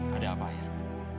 ada apa ayah